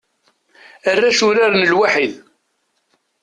Arrac uraren lwaḥid.